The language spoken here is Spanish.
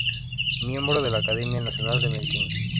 Miembro de la Academia Nacional de Medicina.